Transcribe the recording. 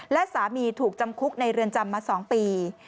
และสามีถูกจำคุกในเรือนจำมา๒ปี